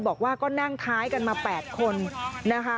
บอกว่าก็นั่งท้ายกันมา๘คนนะคะ